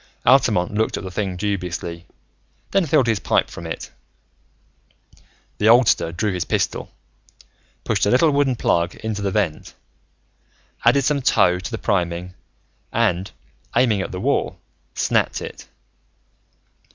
Altamont looked at the thing dubiously, then filled his pipe from it. The oldster drew his pistol, pushed a little wooden plug into the vent, added some tow to the priming, and, aiming at the wall, snapped it.